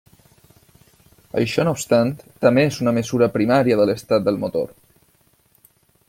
Això no obstant, també és una mesura primària de l'estat del motor.